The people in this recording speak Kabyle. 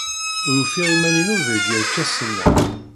Ur ufiɣ iman-inu deg yerkasen-a.